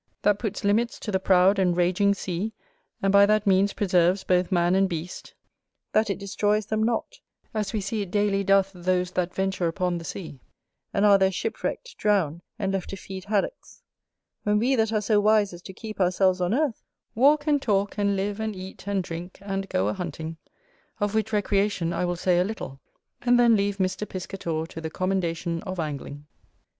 That puts limits to the proud and raging sea, and by that means preserves both man and beast, that it destroys them not, as we see it daily doth those that venture upon the sea, and are there shipwrecked, drowned, and left to feed Haddocks; when we that are so wise as to keep ourselves on earth, walk, and talk, and live, and eat, and drink, and go a hunting: of which recreation I will say a little, and then leave Mr. Piscator to the commendation of Angling.